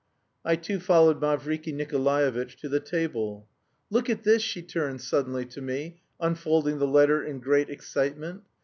I too followed Mavriky Nikolaevitch to the table. "Look at this," she turned suddenly to me, unfolding the letter in great excitement.